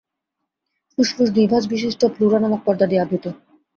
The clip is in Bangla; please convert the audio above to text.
ফুসফুস দুই ভাঁজবিশিষ্ট প্লুরা নামক পর্দা দিয়ে আবৃত।